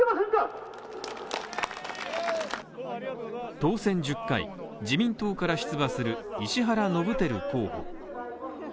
当選１０回、自民党から出馬する石原伸晃候補。